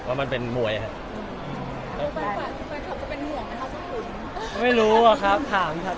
พี่ขุนเป็นคู่แรกหรือคู่ที่สุด